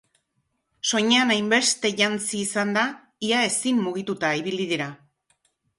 Soinean hainbeste jantzi izanda, ia ezin mugituta ibili dira.